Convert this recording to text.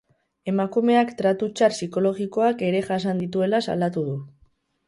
Emakumeak tratu txar psikologikoak ere jasan dituela salatu du.